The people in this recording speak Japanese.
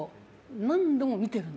何度も見てるの。